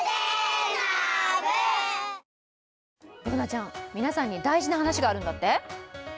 Ｂｏｏｎａちゃん、皆さんに大事な話があるんだって？